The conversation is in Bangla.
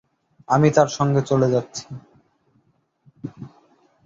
আমি তার সঙ্গে চলে যাচ্ছি।